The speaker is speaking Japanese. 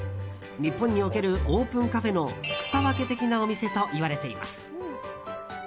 日本におけるオープンカフェの草分け的なお店といわれています。